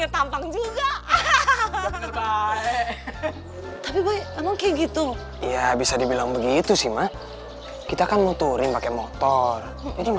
tapi begitu ya bisa dibilang begitu sih mah kita akan motoring pakai motor ini